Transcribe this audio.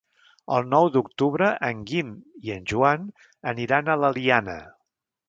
El nou d'octubre en Guim i en Joan aniran a l'Eliana.